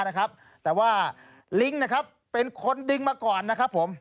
แต่ว่าลิงก์นะครับเป็นคนดึงมาก่อนนะครับผม